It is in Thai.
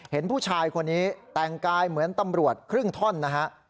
เห็นผู้ชายคนนี้แต่งกายเหมือนตำรวจครึ่งท่อนนะฮะ